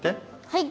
はい。